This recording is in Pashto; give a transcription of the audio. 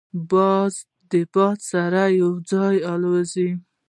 باز د باد سره یو ځای الوزي